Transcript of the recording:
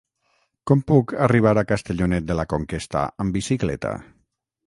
Com puc arribar a Castellonet de la Conquesta amb bicicleta?